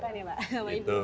mas pacaran ya pak